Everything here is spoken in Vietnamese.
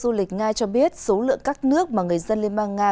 tuân dụng du lịch nga cho biết số lượng các nước mà người dân liên bang nga